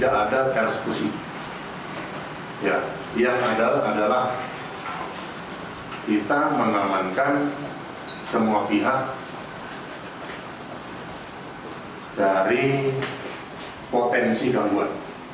kita mengamankan semua pihak dari potensi gangguan